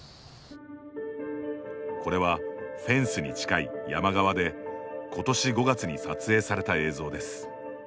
これは、フェンスに近い山側で今年５月に撮影された映像です。